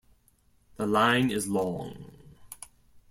The line is long.